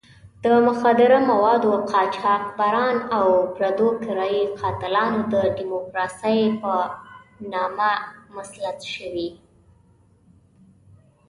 د مخدره موادو قاچاقبران او پردو کرایي قاتلان د ډیموکراسۍ په نامه مسلط شوي.